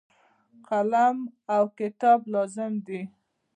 قلم او کتاب لازم دي.